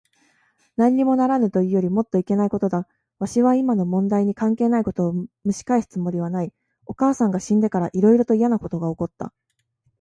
なんにもならぬというよりもっといけないことだ。わしは今の問題に関係ないことをむし返すつもりはない。お母さんが死んでから、いろいろといやなことが起った。